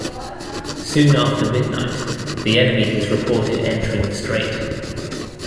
Soon after midnight the enemy was reported entering the strait.